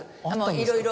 いろいろ。